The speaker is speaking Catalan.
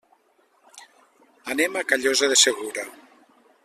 Anem a Callosa de Segura.